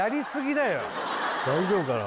大丈夫かな